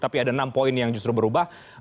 tapi ada enam poin yang justru berubah